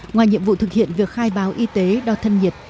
ngoài nhiệm vụ thực hiện việc khai báo y tế đo thân nhiệt